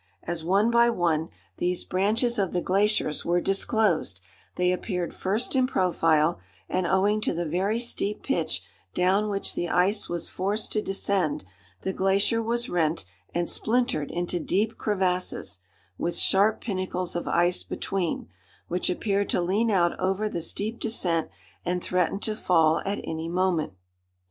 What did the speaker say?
As, one by one, these branches of the glaciers were disclosed, they appeared first in profile, and owing to the very steep pitch down which the ice was forced to descend, the glacier was rent and splintered into deep crevasses, with sharp pinnacles of ice between, which appeared to lean out over the steep descent and threaten to fall at any moment.